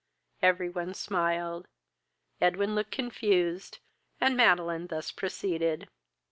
Every one smiled, Edwin looked confused, and Madeline thus proceeded.